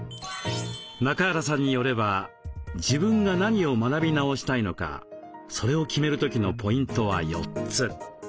中原さんによれば自分が何を学び直したいのかそれを決める時のポイントは４つ。